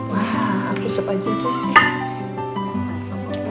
wah aku sip aja tuh